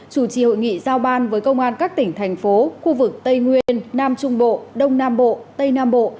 chủ trì hội nghị giao ban với công an các tỉnh thành phố khu vực tây nguyên nam trung bộ đông nam bộ tây nam bộ